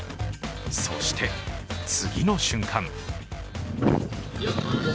そして、次の瞬間。